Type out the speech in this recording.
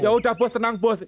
yaudah bos tenang bos